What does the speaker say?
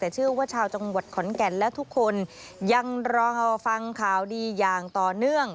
แต่เชื่อว่าชาวจังหวัดขอนแก่นและทุกคนยังรอฟังข่าวดีอย่างต่อเนื่อง